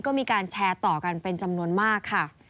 ก็มีการแชร์ต่อกันเป็นจำนวนมากค่ะ